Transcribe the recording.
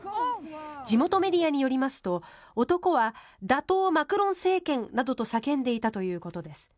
地元メディアによりますと男は打倒マクロン政権などと叫んでいたということです。